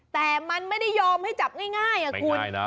แต่มันไม่ได้ยอมให้จับง่ายคุณ